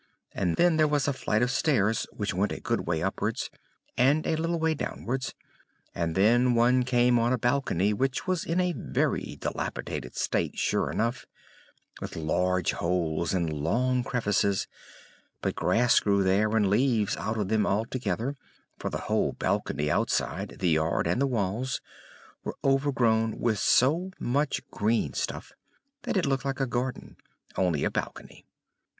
And then there was a flight of stairs which went a good way upwards, and a little way downwards, and then one came on a balcony which was in a very dilapidated state, sure enough, with large holes and long crevices, but grass grew there and leaves out of them altogether, for the whole balcony outside, the yard, and the walls, were overgrown with so much green stuff, that it looked like a garden; only a balcony.